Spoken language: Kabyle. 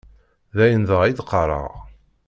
D ayen dɣa i d-qqareɣ.